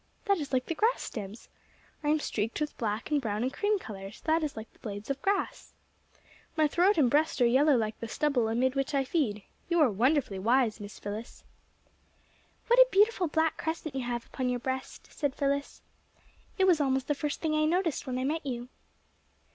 That is like the grass stems. I am streaked with black and brown and cream colours. That is like the blades of grass. "My throat and breast are yellow like the stubble amid which I feed. You are wonderfully wise, Miss Phyllis." "What a beautiful black crescent you have upon your breast," said Phyllis. "It was almost the first thing I noticed when I met you."